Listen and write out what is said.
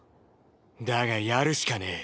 だがやるしかねぇ。